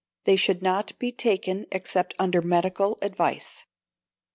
They should not be taken except under medical advice.